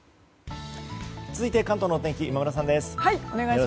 続いて関東のお天気今村さんです。